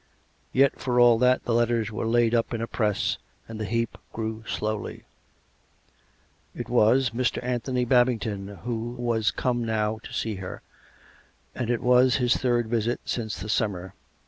Yet, for all that, the letters were laid up in a press, and the heap grew slowly. It was Mr. Antliony Babington who was come now to 131 132 COME RACK! COME ROPE! see her, and it was his third visit since the summer.